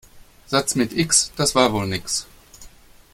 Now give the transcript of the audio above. Satz mit X, das war wohl nix.